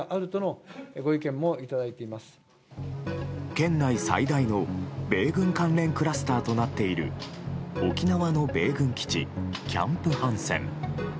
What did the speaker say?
県内最大の米軍関連クラスターとなっている沖縄の米軍基地キャンプ・ハンセン。